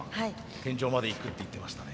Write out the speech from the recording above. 天井までいくって言ってましたね。